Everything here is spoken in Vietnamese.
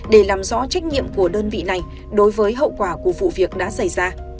để làm rõ trách nhiệm của đơn vị này đối với hậu quả của vụ việc đã xảy ra